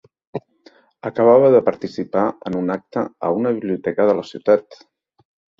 Acabava de participar en un acte a una biblioteca de la ciutat.